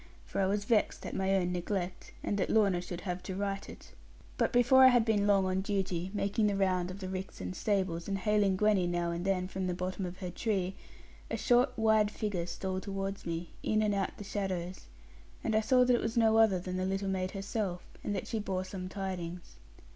For I was vexed at my own neglect, and that Lorna should have to right it. But before I had been long on duty, making the round of the ricks and stables, and hailing Gwenny now and then from the bottom of her tree, a short wide figure stole towards me, in and out the shadows, and I saw that it was no other than the little maid herself, and that she bore some tidings.